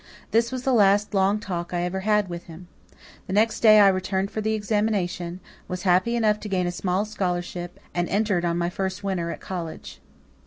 This was the last long talk I ever had with him. The next day I returned for the examination, was happy enough to gain a small scholarship, and entered on my first winter at college.